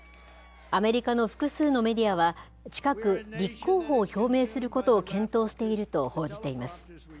アメリカの複数のメディアは、近く、立候補を表明することを検討していると報じています。